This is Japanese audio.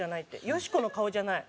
「よしこの顔じゃない。